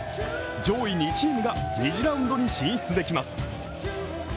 上位２チームが２次ラウンドに進出できます。